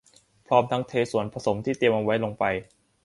พร้อมทั้งเทส่วนผสมที่เตรียมเอาไว้ลงไป